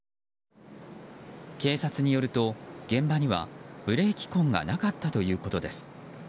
警察によると現場にはブレーキ痕がなかったということです。